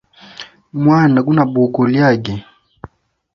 Mwana guna bugo lyage.